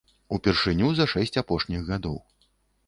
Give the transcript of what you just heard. Упершыню за шэсць апошніх гадоў.